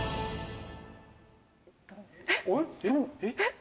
えっ？